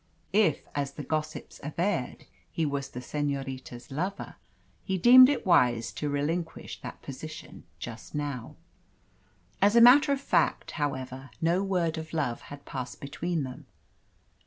If, as the gossips averred, he was the Senorita's lover, he deemed it wiser to relinquish that position just now. As a matter of fact, however, no word of love had passed between them.